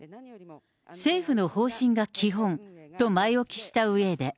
政府の方針が基本と前置きしたうえで。